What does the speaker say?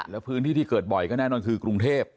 แล้วพื้นที่ที่เกิดบ่อยก็แน่นอนคือกรุงเทพ